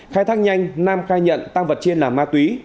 khai thác nhanh nam khai nhận tăng vật trên là ma túy